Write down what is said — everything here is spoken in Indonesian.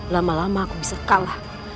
lama lama aku bisa kalah